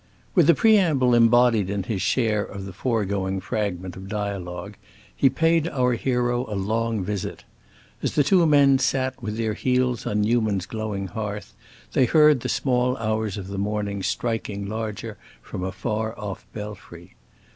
With the preamble embodied in his share of the foregoing fragment of dialogue, he paid our hero a long visit; as the two men sat with their heels on Newman's glowing hearth, they heard the small hours of the morning striking larger from a far off belfry.